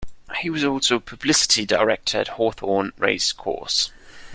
He was also Publicity Director at Hawthorne Race Course.